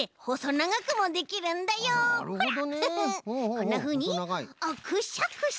こんなふうにあっくしゃくしゃ。